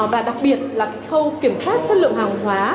và đặc biệt là khâu kiểm soát chất lượng hàng hóa